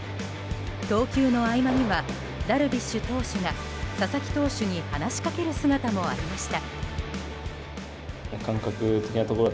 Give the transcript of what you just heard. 投球の合間にはダルビッシュ投手が佐々木投手に話しかける姿もありました。